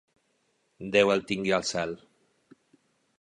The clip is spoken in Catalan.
Déu el tingui al cel.